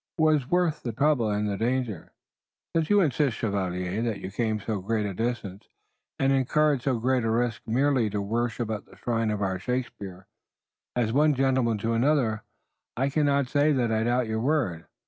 'Twas worth the trouble and the danger." "Since you insist, chevalier, that you came so great a distance and incurred so great a risk merely to worship at the shrine of our Shakespeare, as one gentleman to another I cannot say that I doubt your word.